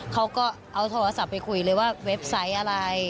เขาก็เอาโทรศัพท์ไปคุยเลยว่าเว็บไซต์อะไร